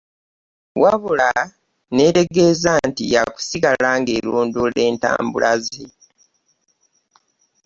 Wabula n'etegeeza nti ya kusigala ng'erondoola entambula ze.